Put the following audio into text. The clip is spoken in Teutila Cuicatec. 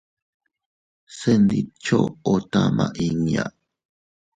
Se ntidchoʼo tama inña.